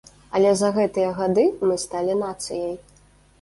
Але за гэтыя гады мы сталі нацыяй.